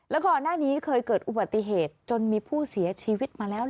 แล้วก่อนหน้านี้เคยเกิดอุบัติเหตุจนมีผู้เสียชีวิตมาแล้ว